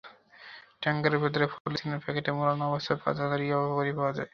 ট্যাংকের ভেতরে পলিথিনের প্যাকেটে মোড়ানো অবস্থায় পাঁচ হাজার ইয়াবা বড়ি পাওয়া যায়।